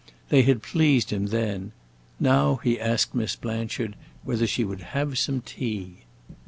They had pleased him then; now he asked Miss Blanchard whether she would have some tea.